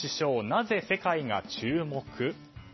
なぜ世界が注目？